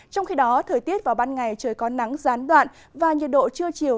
trong khi đó thời tiết vào ban ngày trời có nắng gián đoạn và nhiệt độ trưa chiều